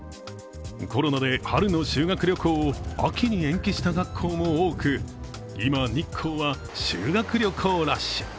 コロナで春の修学旅行を秋に延期した学校も多く今、日光は修学旅行ラッシュ。